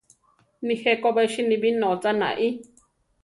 Nijé Ko be siníbi nócha naí.